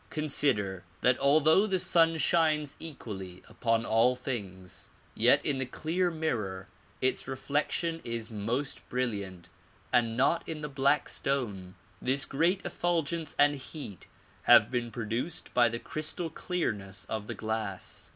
Consider that although the sun shines equally upon all things, yet in the clear mirror its reflection is most brilliant and not in the black stone. This great effulgence and heat have been produced by the crystal clearness of the glass.